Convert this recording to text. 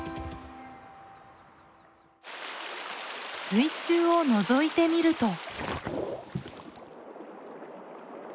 水中をのぞいてみると。